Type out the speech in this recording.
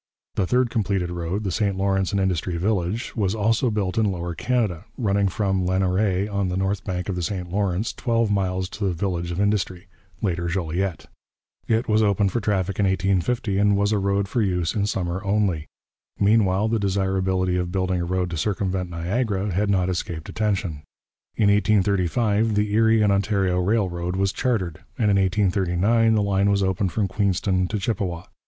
The third completed road, the St Lawrence and Industry Village, was also built in Lower Canada, running from Lanoraie on the north bank of the St Lawrence twelve miles to the village of Industry, later Joliette. It was opened for traffic in 1850, and was a road for use in summer only. Meanwhile, the desirability of building a road to circumvent Niagara had not escaped attention. In 1835 the Erie and Ontario Railroad was chartered, and in 1839 the line was opened from Queenston to Chippawa.